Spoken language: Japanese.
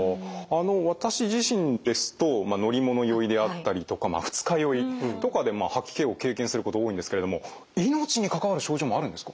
私自身ですと乗り物酔いであったりとか二日酔いとかで吐き気を経験すること多いんですけれども命に関わる症状もあるんですか？